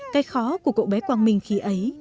cái khó của cậu bé quang minh khi ấy